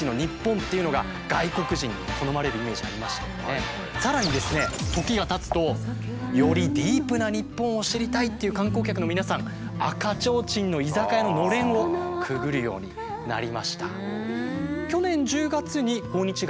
こうしたさらにですね時がたつとよりディープな日本を知りたいっていう観光客の皆さん赤ちょうちんの居酒屋ののれんをくぐるようになりました。